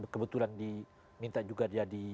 kebetulan diminta juga jadi